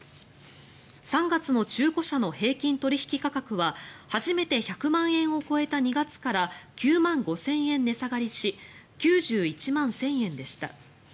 ３月の中古車の平均取引価格は初めて１００万円を超えた２月から９万５０００円値下がりし９１万１０００円でした。